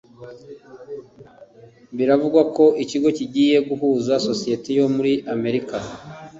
biravugwa ko ikigo kigiye guhuza isosiyete yo muri amerika